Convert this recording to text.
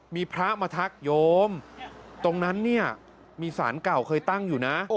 มีพระมาทักโยมตรงนั้นเนี่ยมีสารเก่าเคยตั้งอยู่นะ